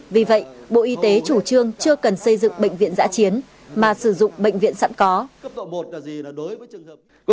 vì vậy bộ y tế chủ trương chưa cần xây dựng bệnh viện giã chiến mà sử dụng bệnh viện sẵn có